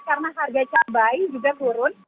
karena harga cabai juga turun